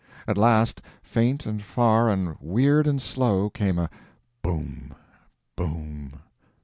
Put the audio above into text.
At last, faint and far and weird and slow, came a "boom!—boom!